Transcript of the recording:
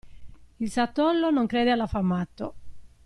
Il satollo non crede all'affamato.